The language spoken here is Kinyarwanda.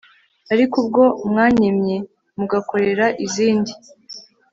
Ariko ubwo mwanyim ye mugakorera izindi